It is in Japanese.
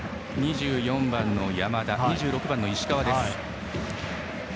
２４番の山田２６番の石川です。